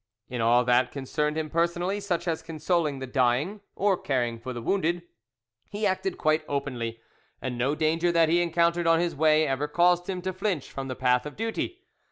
In all that concerned him personally, such as consoling the dying or caring for the wounded, he acted quite openly, and no danger that he encountered on his way ever caused him to flinch from the path of duty.